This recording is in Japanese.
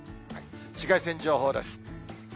紫外線情報です。